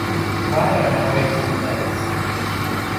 Why run away from that?